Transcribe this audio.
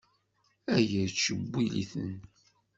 Aya yettcewwil-iten.